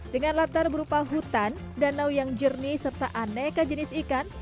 dengan latar berupa hutan danau yang jernih serta aneka jenis ikan